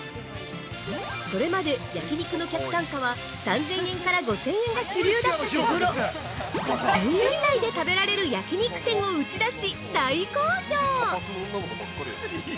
それまで、焼肉の客単価は３０００円から５０００円が主流だったところ、「１０００円台で食べられる焼肉店」を打ち出し、大好評！